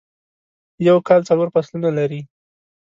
یوکال څلورفصلونه لري ..